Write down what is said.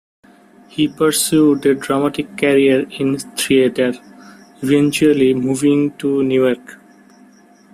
He pursued a dramatic career in theater, eventually moving to New York.